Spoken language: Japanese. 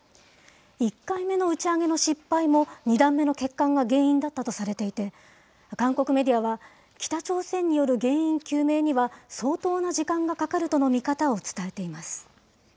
１回目の打ち上げの失敗も、２段目の欠陥が原因だったとされていて、韓国メディアは、北朝鮮による原因究明には、相当な時間がかかるとの見方を伝えています。